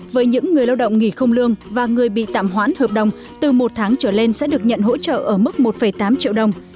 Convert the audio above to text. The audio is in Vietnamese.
với những người lao động nghỉ không lương và người bị tạm hoãn hợp đồng từ một tháng trở lên sẽ được nhận hỗ trợ ở mức một tám triệu đồng